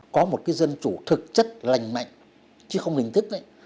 có một cái dân chủ thực chất lành mạnh chứ không hình thức đấy